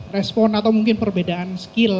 respon atau mungkin perbedaan skill